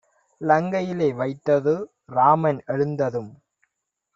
லங்கையிலே வைத்தது! ராமன் எழுந்ததும்